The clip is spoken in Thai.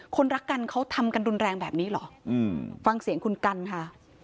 คนรักกันเขาทำกันรุนแรงแบบนี้เหรอฟังเสียงคุณกันค่ะ